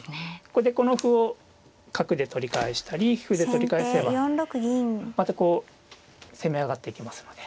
これでこの歩を角で取り返したり歩で取り返せばまたこう攻め上がっていきますので。